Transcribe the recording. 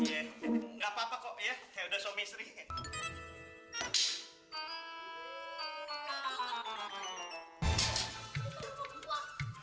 enggak apa apa kok ya